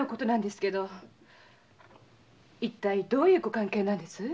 一体どういうご関係なんです？